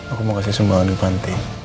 aku mau kasih sumbangan ke panti